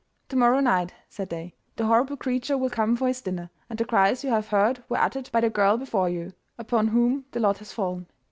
'To morrow night,' said they, 'the horrible creature will come for his dinner, and the cries you have heard were uttered by the girl before you, upon whom the lot has fallen.